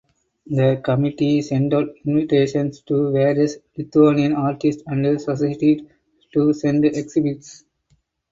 The committee sent out invitations to various Lithuanian artists and societies to send exhibits.